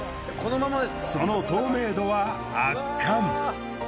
その透明度は圧巻。